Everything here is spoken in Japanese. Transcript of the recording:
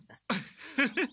フフフ！